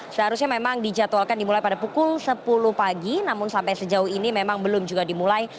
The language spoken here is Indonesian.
seharusnya memang dijadwalkan dimulai pada pukul sepuluh pagi namun sampai sejauh ini memang belum juga dimulai